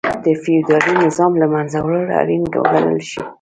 د فیوډالي نظام له منځه وړل اړین وګڼل شو.